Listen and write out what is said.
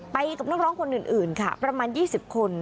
กับนักร้องคนอื่นค่ะประมาณ๒๐คน